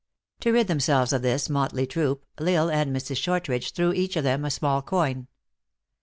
To rid themselves of this motley troop, L Isle and Mrs. Shortridge threw each of them a small coin.